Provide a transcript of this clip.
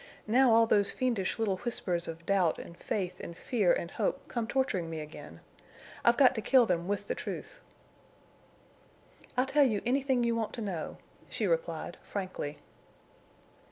Now all those fiendish little whispers of doubt and faith and fear and hope come torturing me again. I've got to kill them with the truth." "I'll tell you anything you want to know," she replied, frankly.